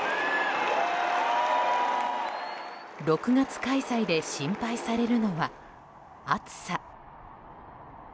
６月開催で心配されるのは暑さ。